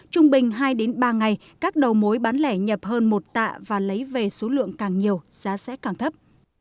trung bình hai ba ngày các đầu mối bán lẻ nhập hơn một tạ và lấy về số lượng càng nhiều giá sẽ càng thấp